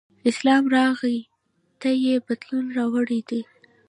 اسلام راغی ته یې بدلون راوړی دی.